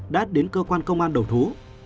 đã đến cơ quan công an đầu thú